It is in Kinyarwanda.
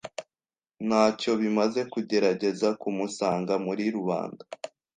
Ntacyo bimaze kugerageza kumusanga muri rubanda.